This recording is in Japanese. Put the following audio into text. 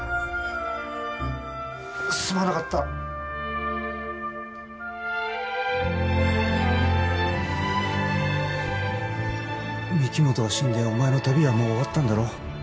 すまなかった御木本が死んでお前の旅はもう終わったんだろ